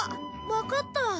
わかった。